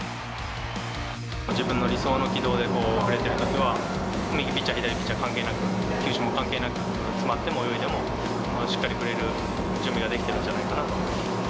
自分の理想の軌道で振れてるときは、右ピッチャー、左ピッチャー、関係なく、球種も関係なく、詰まっても泳いでも、しっかり振れる準備ができてるんじゃないかなと思います。